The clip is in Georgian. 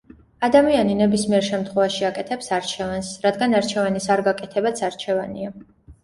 ადამიანი ნებისმიერ შემთხვევაში აკეთებს არჩევანს, რადგან არჩევანის არ გაკეთებაც არჩევანია.